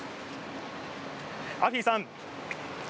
アフィさん